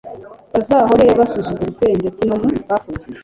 bazahore basuzuguritse ndetse no mu bapfuye